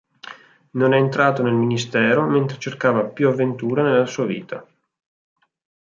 Non è entrato nel ministero mentre cercava più avventura nella sua vita.